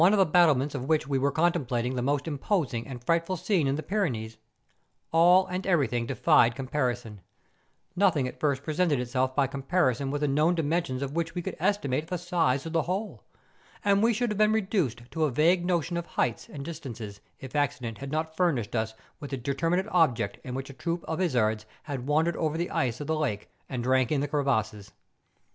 139 of the battlements of which we were contemplating the most imposing and frightful scene in the Pyre¬ nees ; all and everything defied comparison; nothing at first presented itself by comparison with the known dimensions of which we could estirhate the size of the whole; and we should have been reduced to a vague notion of heights and dis¬ tances if accident had not furnished us with a deter¬ minate object in a troup of izards which wandered over the ice of the lake and drank in the crevasses.